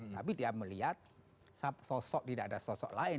tapi dia melihat sosok tidak ada sosok lain